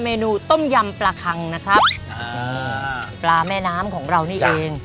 เมนูต้มยำปลาคังนะครับอ่าปลาแม่น้ำของเรานี่เอง